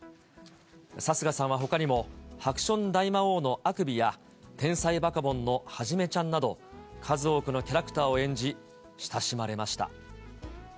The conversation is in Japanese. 貴家さんはほかにも、ハクション大魔王のアクビや、天才バカボンのハジメちゃんなど、数多くのキャラクターを演じ、親しまれました。